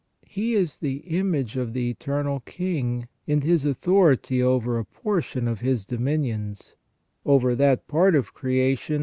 He is the image of the Eternal King in his authority over a portion of His dominions, over that part of creation which * S.